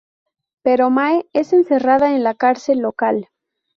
Pero Mae es encerrada en la cárcel local.